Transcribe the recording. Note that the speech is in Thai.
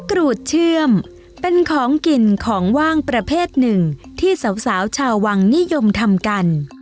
กรูดเชื่อมเป็นของกินของว่างประเภทหนึ่งที่สาวชาววังนิยมทำกัน